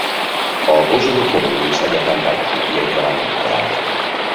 A pozsonyi Comenius Egyetem Pedagógiai Karán doktorált.